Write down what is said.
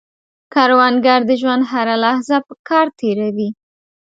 کروندګر د ژوند هره لحظه په کار تېروي